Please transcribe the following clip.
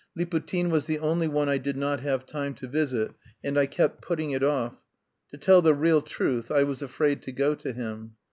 Liputin was the only one I did not have time to visit, and I kept putting it off to tell the real truth I was afraid to go to him.